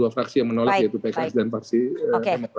fraksi yang menolak yaitu pks dan faksi demokrat